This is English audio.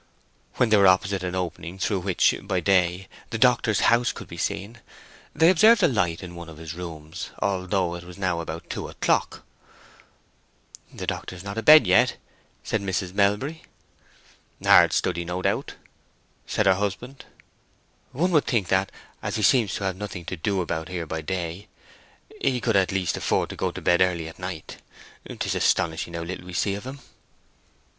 When they were opposite an opening through which, by day, the doctor's house could be seen, they observed a light in one of his rooms, although it was now about two o'clock. "The doctor is not abed yet," said Mrs. Melbury. "Hard study, no doubt," said her husband. "One would think that, as he seems to have nothing to do about here by day, he could at least afford to go to bed early at night. 'Tis astonishing how little we see of him."